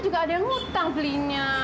juga ada yang ngutang belinya